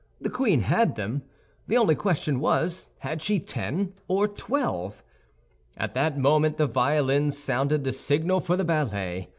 The queen had them. The only question was, had she ten or twelve? At that moment the violins sounded the signal for the ballet.